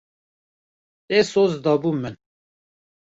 Te soz dabû min.